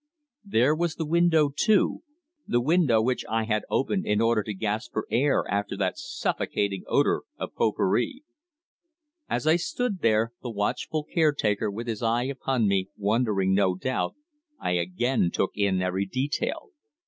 There was the window, too the window which I had opened in order to gasp for air after that suffocating odour of pot pourri. As I stood there the watchful caretaker with his eye upon me, wondering no doubt I again took in every detail.